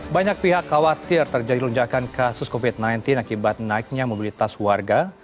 banyak pihak khawatir terjadi lonjakan kasus covid sembilan belas akibat naiknya mobilitas warga